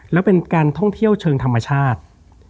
แล้วเป็นการท่องเที่ยวเชิงธรรมชาติ